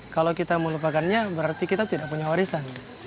kalau kita melupakannya berarti kita tidak punya warisan